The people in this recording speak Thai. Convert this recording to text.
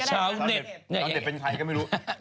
ชาวเน็ตเป็นใครก็ไม่รู้